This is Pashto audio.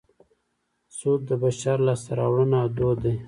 سود د بشر لاسته راوړنه او دود دی